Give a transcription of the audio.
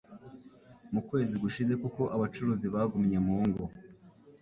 mu kwezi gushize kuko abacuruzi bagumye mu ngo.